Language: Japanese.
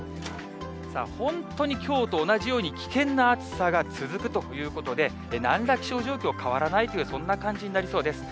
本当にきょうと同じように危険な暑さが続くということで、なんら気象情報変わらないというそんな感じになりそうです。